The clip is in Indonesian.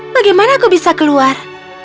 bagaimana aku bisa keluar